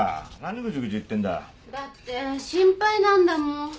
だって心配なんだもん。